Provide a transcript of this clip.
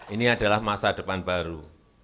ini adalah masa depan baru